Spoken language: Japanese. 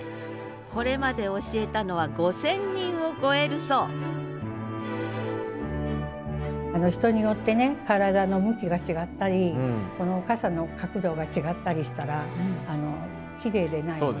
これまで教えたのは５０００人を超えるそう人によってね体の向きが違ったり傘の角度が違ったりしたらきれいでないので。